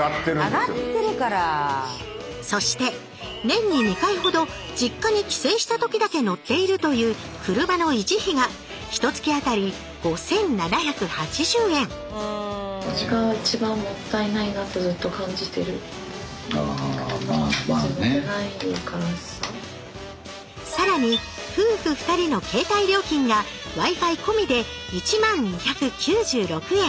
そして年に２回ほど実家に帰省した時だけ乗っているという車の維持費がひとつき当たり５，７８０円さらに夫婦２人の携帯料金がＷｉ−Ｆｉ込みで１万２９６円。